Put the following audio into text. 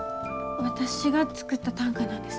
私が作った短歌なんです。